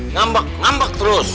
ngambek ngambek terus